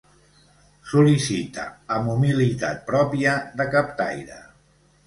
Sol·licita amb humilitat pròpia de captaire.